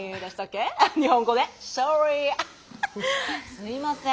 すいません。